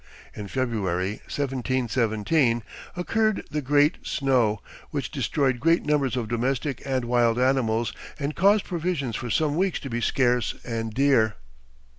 In February, 1717, occurred the Great Snow, which destroyed great numbers of domestic and wild animals, and caused provisions for some weeks to be scarce and dear.